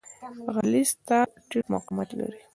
غلیظ تار ټیټ مقاومت لري.